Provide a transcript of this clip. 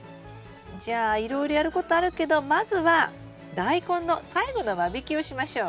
じゃあいろいろやることあるけどまずはダイコンの最後の間引きをしましょう。